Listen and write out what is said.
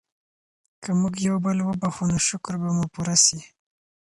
که موږ یو بل وبښو نو شکر به مو پوره سي.